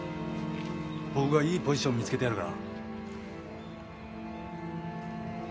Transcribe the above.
僕がいいポジション見つけてやるから。